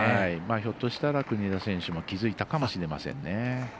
ひょっとしたら国枝選手も気付いたかもしれませんね。